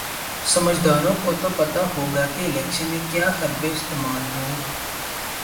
سمجھداروں کو تو پتا ہوگا کہ الیکشن میں کیا حربے استعمال ہوں۔